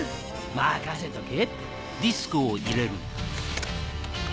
任せとけ！